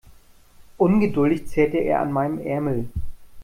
Ungeduldig zerrte er an meinem Ärmel.